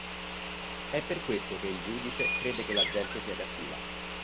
È per questo che il giudice crede che la gente sia cattiva.